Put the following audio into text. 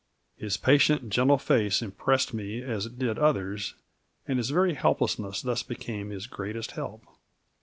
His patient, gentle face impressed me as it did others, and his very helplessness thus became his greatest help.